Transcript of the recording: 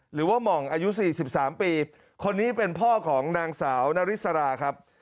หม่องอายุ๔๓ปีคนนี้เป็นพ่อของนางสาวนาริสราครับ